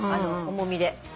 重みで。